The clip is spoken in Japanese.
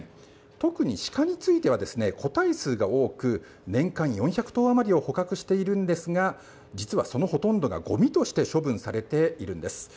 特に鹿については、個体数が多く、年間４００頭余りを捕獲しているんですが、実はそのほとんどがごみとして処分されているんです。